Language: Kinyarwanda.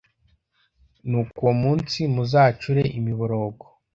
nuko uwo munsi muzacure imiborogo